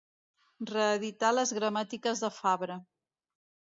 Reeditar les gramàtiques de Fabra.